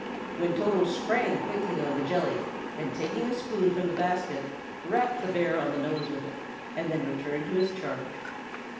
when Toto sprang quickly on the jelly, and taking a spoon from the basket, rapped the bear on the nose with it, and then returned to his charge.